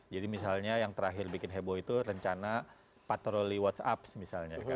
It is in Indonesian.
jadi misalnya yang terakhir bikin heboh itu rencana patroli whatsapp misalnya